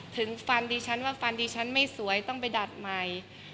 ถึงฟันดิฉันว่าฟันดิฉันไม่สวยต้องไปดัดใหม่